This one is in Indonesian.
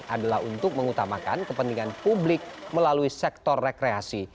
adalah untuk mengutamakan kepentingan publik melalui sektor rekreasi